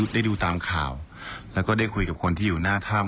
ได้ดูตามข่าวแล้วก็ได้คุยกับคนที่อยู่หน้าถ้ำ